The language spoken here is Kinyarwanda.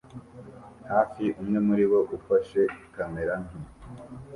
hafi umwe muribo ufashe kamera nto